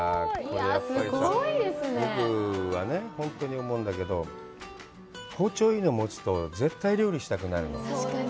これやっぱりさ、本当に思うんだけど、包丁、いいの持つと絶対料理がしたくなるもん。